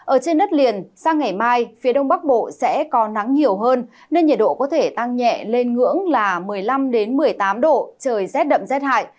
ở trên đất liền sang ngày mai phía đông bắc bộ sẽ có nắng nhiều hơn nên nhiệt độ có thể tăng nhẹ lên ngưỡng là một mươi năm một mươi tám độ trời rét đậm rét hại